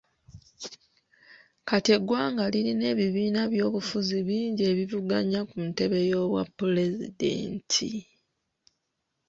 Kati, eggwanga lirina ebibiina by'obufuzi bingi ebivuganya ku ntebe y'obwa pulezidenti.